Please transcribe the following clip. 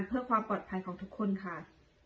เพื่อความปลอดภัยของทุกคนค่ะ